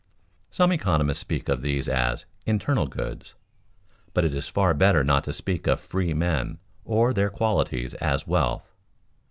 _ Some economists speak of these as "internal goods," but it is far better not to speak of free men or of their qualities as wealth.